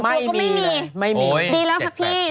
ไม่มีเลยไม่มีล่ะโอ้ย๗๘ไปดีแล้วค่ะพีศ